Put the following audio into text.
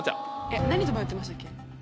えっ何と迷ってましたっけ？